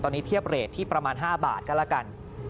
ตอนนี้เทียบเรทที่ประมาณ๕บาทก็แล้วกัน